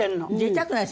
痛くない？